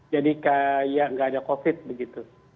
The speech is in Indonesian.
jadi kayak tidak ada covid sembilan belas begitu